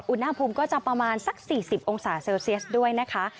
อุณหภูมิก็จะประมาณสัก๔๐องศาเซลเซียสด้วยนะคะ